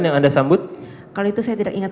yang anda sambut kalau itu saya tidak ingat